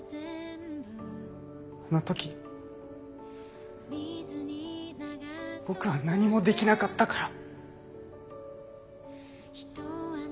あの時僕は何もできなかったから。